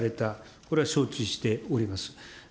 これは承知しております。